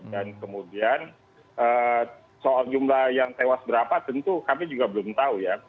dan kemudian soal jumlah yang tewas berapa tentu kami juga belum tahu ya